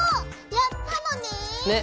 やったのね。ね！